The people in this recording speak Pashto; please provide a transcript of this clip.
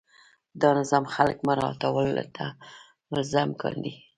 دا نظام خلک مراعاتولو ته ملزم کاندي.